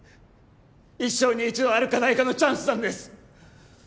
一生に一度あるかないかのチャンスなんです！